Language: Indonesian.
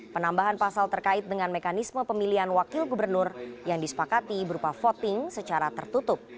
penambahan pasal terkait dengan mekanisme pemilihan wakil gubernur yang disepakati berupa voting secara tertutup